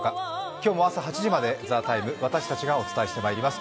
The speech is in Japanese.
今日も朝８時まで、「ＴＨＥＴＩＭＥ，」、私たちがお伝えしてまいります。